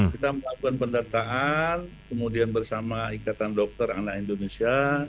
kita melakukan pendataan kemudian bersama ikatan dokter anak indonesia